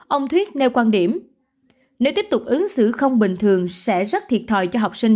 ông thuyết nêu quan điểm nếu tiếp tục ứng xử không bình thường sẽ rất thiệt thòi cho học sinh